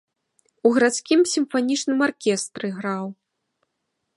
У гарадскім сімфанічным аркестры граў.